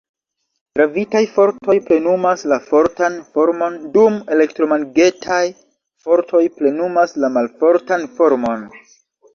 Gravitaj fortoj plenumas la fortan formon dum elektromagnetaj fortoj plenumas la malfortan formon.